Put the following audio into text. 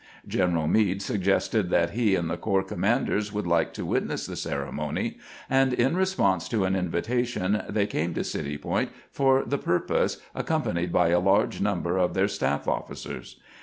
General Meade sug gested that he and the corps commanders would like to witness the ceremony, and in response to an invitation they came to City Point for the purpose, accompanied by a large number of their staff oflS.cers.